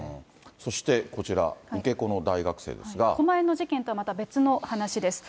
そしてこちら、狛江の事件とはまた別の話です。